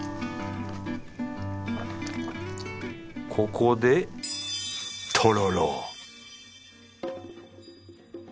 ここでとろろ